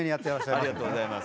ありがとうございます。